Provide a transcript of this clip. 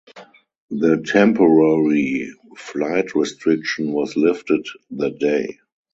The Temporary Flight Restriction was lifted that day.